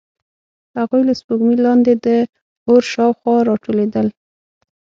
هغوی له سپوږمۍ لاندې د اور شاوخوا راټولېدل.